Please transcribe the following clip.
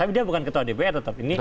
tapi dia bukan ketua dpr tetap ini